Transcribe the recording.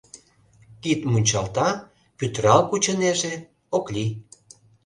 Кид мунчалта, пӱтырал кучынеже, ок лий.